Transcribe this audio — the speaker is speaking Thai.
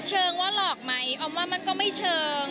เชิงว่าหลอกไหมออมว่ามันก็ไม่เชิง